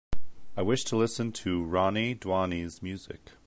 I wish to listen to Roni Duani 's music.